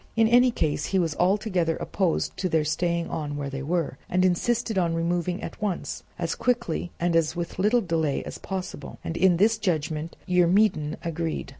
In any case he was altogether opposed to their staying on where they were, and insisted on removing at once, as quickly and with as little delay as possible; and in this judgment Eurymedon agreed.